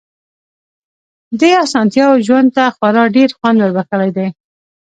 دې اسانتياوو ژوند ته خورا ډېر خوند وربښلی دی.